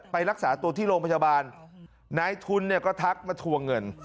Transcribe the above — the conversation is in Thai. ไปรักษาตัวที่โรงพยาบาลนายทุนก็ทักมาถั่วเงิน